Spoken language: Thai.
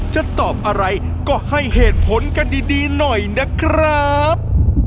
จะตอบอะไรก็ให้เหตุผลกันดีหน่อยนะครับ